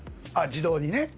自動にね。